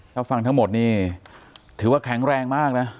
ถ้าฟังทั้งหมดนี่ถือว่าแข็งแรงมากนะ